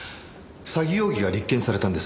詐欺容疑が立件されたんです。